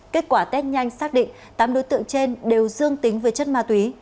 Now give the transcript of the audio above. kết quả test nhanh xác định tám đối tượng trên đều dương tính với chất ma túy